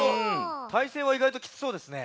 たいせいはいがいときつそうですね。